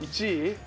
１位。